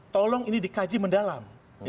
tolong ini dikaji mendalam